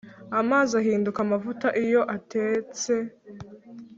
Amazi ahinduka amavuta iyo atetse